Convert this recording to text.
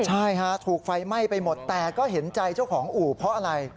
ใช่ฮะถูกไฟไหม้ไปหมดแต่ก็เห็นใจเจ้าของอู่เพราะอะไร